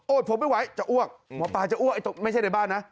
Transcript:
ผมไม่ไหวจะอ้วกหมอปลาจะอ้วกไม่ใช่ในบ้านนะ